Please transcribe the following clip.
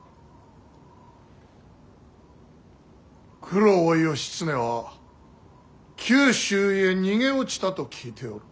九郎義経は九州へ逃げ落ちたと聞いておる。